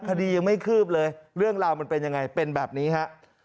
คดียังไม่คืบเลยเรื่องราวมันเป็นยังไงเป็นแบบนี้ฮะ